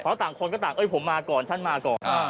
เพราะต่างคนก็ต่างผมมาก่อนฉันมาก่อน